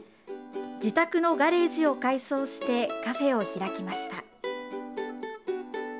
自宅のガレージを改装してカフェを開きました。